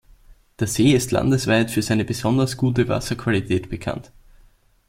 Der See ist landesweit für seine besonders gute Wasserqualität bekannt.